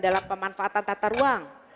dalam pemanfaatan tata ruang